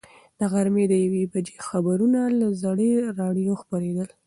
د غرمې د یوې بجې خبرونه له زړې راډیو خپرېدل.